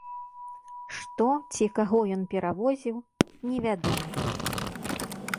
Што ці каго ён перавозіў, невядома.